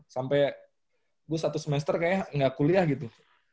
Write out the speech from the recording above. sampe gue satu semester kayaknya gak kuliah gitu